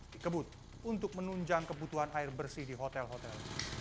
dikebut untuk menunjang kebutuhan air bersih di hotel hotel